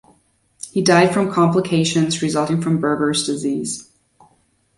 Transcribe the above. He died from complications resulting from Berger's disease.